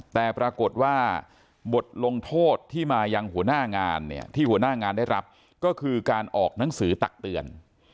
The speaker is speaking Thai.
แต่ปรากฏว่าบทลงโทษที่มายังหัวหน้างานเนี่ยที่หัวหน้างานได้รับก็คือการออกหนังสือตักเตือน